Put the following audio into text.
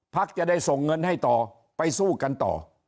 จะได้ส่งเงินให้ต่อไปสู้กันต่อ